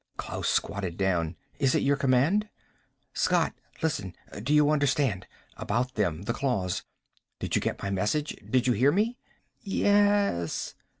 Klaus squatted down. "Is it your command?" "Scott, listen. Do you understand? About them, the claws. Did you get my message? Did you hear me?" "Yes."